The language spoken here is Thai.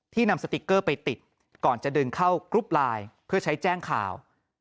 นำสติ๊กเกอร์ไปติดก่อนจะดึงเข้ากรุ๊ปไลน์เพื่อใช้แจ้งข่าว